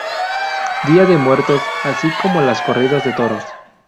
Día de muertos así como las corridas de toros.